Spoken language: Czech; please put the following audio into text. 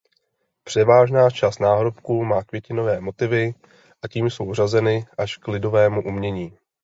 Převážná část náhrobků má květinové motivy a tim jsou řazeny až k lidovému umění.